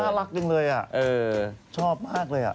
น่ารักจริงเลยอ่ะชอบมากเลยอ่ะ